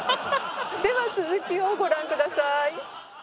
では続きをご覧ください。